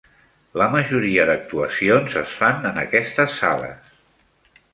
La majoria d'actuacions es fan en aquestes sales.